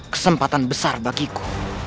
kesempatan besar bagiku